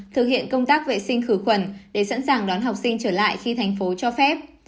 thực hiện công tác vệ sinh khử khuẩn để sẵn sàng đón học sinh trở lại khi thành phố cho phép